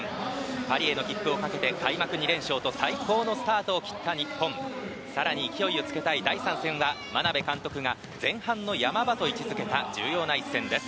パリへの切符をかけて開幕２連勝と最高のスタートを切った日本更に勢いをつけたい第３戦は眞鍋監督が前半の山場と位置付けた重要な一戦です。